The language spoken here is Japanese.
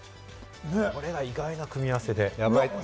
これが意外な組み合わせで。